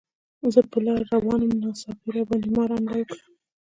زه په لاره روان وم، ناڅاپي راباندې مار حمله وکړه.